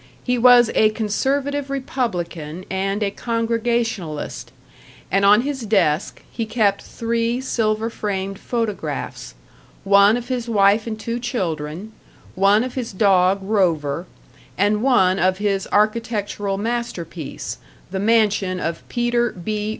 He was a conservative Republican and a Congregationalist, and on his desk he kept three silver framed photographs one of his wife and two children, one of his dog Rover, and one of his architectural masterpiece, the mansion of Peter B.